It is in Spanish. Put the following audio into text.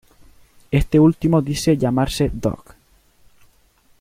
Este último dice llamarse Dug.